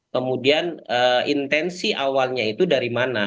kemudian intensi awalnya itu dari mana